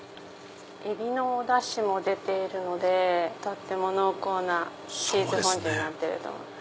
海老のおダシも出ているので濃厚なチーズフォンデュになってると思います。